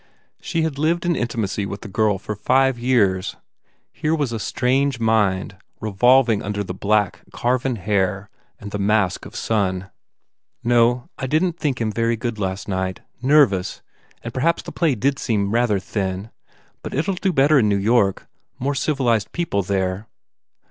She had lived in intimacy with the girl for five years. Here was a strange mind revolving under the black, carven hair and the mask of sun. "No, I didn t think him very good, last night. Nervous. And perhaps the play did seem rather thin. ... But it ll do better in New York. More civilized people, there."